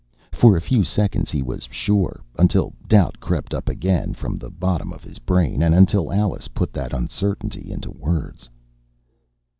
For a few seconds he was sure, until doubt crept up again from the bottom of his brain, and until Alice put that uncertainty into words.